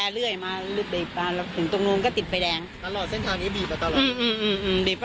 ต้องเข้ามาห้ามอ่ะต้องเข้ามาแยกทั้งคู่อ่ะค่ะ